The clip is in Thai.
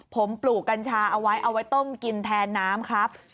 ผมปลูกกัญชาเอาไว้เอาไว้ต้มกินแทนน้ำครับ